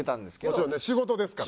もちろんね仕事ですから。